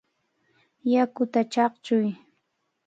¡Yakuta chaqchuy!